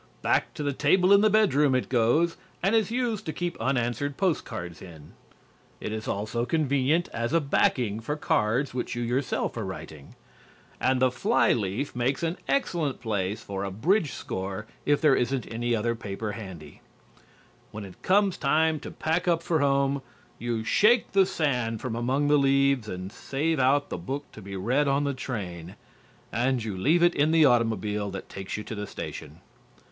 Back to the table in the bedroom it goes and is used to keep unanswered post cards in. It also is convenient as a backing for cards which you yourself are writing. And the flyleaf makes an excellent place for a bridge score if there isn't any other paper handy. When it comes time to pack up for home, you shake the sand from among the leaves and save out the book to be read on the train. And you leave it in the automobile that takes you to the station.